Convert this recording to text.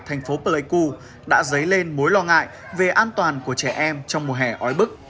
thành phố pleiku đã dấy lên mối lo ngại về an toàn của trẻ em trong mùa hè ói bức